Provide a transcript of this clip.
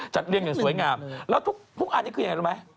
เรียงอย่างสวยงามแล้วทุกอันนี้คือยังไงรู้ไหม